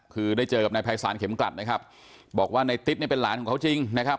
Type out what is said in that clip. คือได้เจอกับนายภัยศาลเข็มกลัดนะครับบอกว่าในติ๊ดนี่เป็นหลานของเขาจริงนะครับ